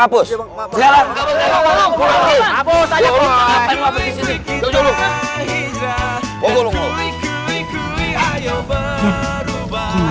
bapak anggelnya siapa bunuh diri